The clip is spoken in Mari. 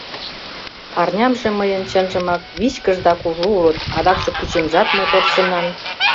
Парнямже мыйын, чынжымак, вичкыж да кужу улыт, адакше кӱчемжат мотор сынан.